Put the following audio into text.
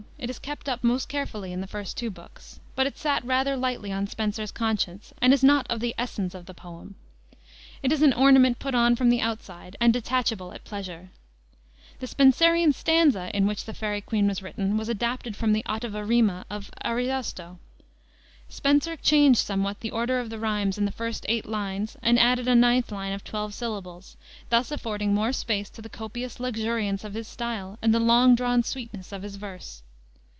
It is kept up most carefully in the first two books, but it sat rather lightly on Spenser's conscience, and is not of the essence of the poem. It is an ornament put on from the outside and detachable at pleasure. The "Spenserian stanza," in which the Faery Queene was written, was adapted from the ottava riwa of Ariosto. Spenser changed somewhat the order of the rimes in the first eight lines and added a ninth line of twelve syllables, thus affording more space to the copious luxuriance of his style and the long drawn sweetness of his verse.